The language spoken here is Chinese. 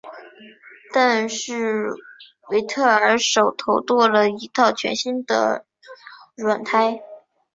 但是维特尔手头多了一套全新的软胎。